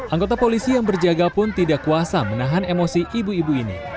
anggota polisi yang berjaga pun tidak kuasa menahan emosi ibu ibu ini